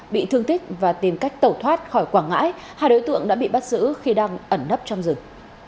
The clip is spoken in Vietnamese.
bị thương tích và tìm cách tẩu thoát khỏi quảng ngãi hai đối tượng đã bị bắt giữ khi đang ẩn nấp trong rừng